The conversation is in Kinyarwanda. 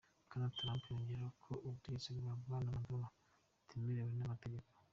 Bwana Trump yongeyeho ko ubutegetsi bwa Bwana Maduro "butemewe n'amategeko".